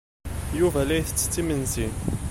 Yuba la ittett imensi.